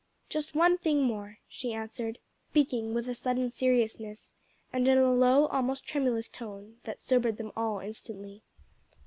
"Just one thing more," she answered, speaking with a sudden seriousness, and in a low, almost tremulous tone that sobered them all instantly.